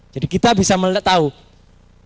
jadi kita bisa mengetahui